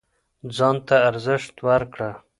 ځان ته ارزښت ورکړه